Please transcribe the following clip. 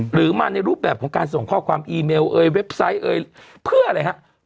หรือมาในรูปแบบของการส่งข้อความอีเมลเอยเว็บไซต์เอ่ยเพื่ออะไรฮะ